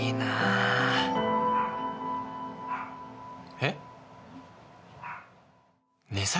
えっ？